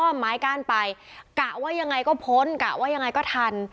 ไม้กั้นไปกะว่ายังไงก็พ้นกะว่ายังไงก็ทัน